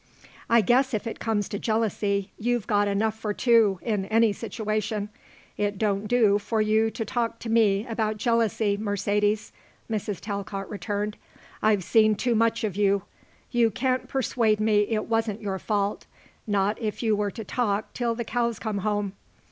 "I guess if it comes to jealousy you've got enough for two in any situation. It don't do for you to talk to me about jealousy, Mercedes," Mrs. Talcott returned, "I've seen too much of you. You can't persuade me it wasn't your fault, not if you were to talk till the cows come home.